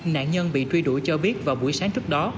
nạn nhân bị truy đuổi cho biết vào buổi sáng trước đó